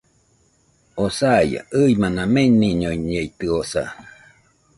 Oo saia, ɨimana meniñoñeitɨosa